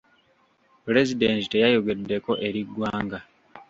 Pulezidenti teyayogeddeko eri ggwanga.